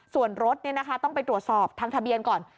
ส่วนรถต้องไปตรวจสอบทางทะเบียนก่อน